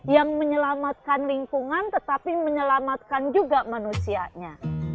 yang menyelamatkan lingkungan tetapi menyelamatkan juga manusianya